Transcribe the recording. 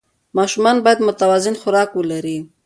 ماشومان باید متوازن خوراک ولري.